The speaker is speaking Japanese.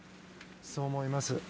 そう思います。